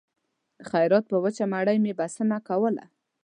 د خیرات په وچه مړۍ مې بسنه کوله